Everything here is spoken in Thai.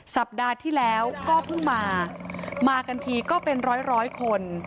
สัปดาห์ที่แล้วก็เพิ่งมามากันทีก็เป็นร้อยคน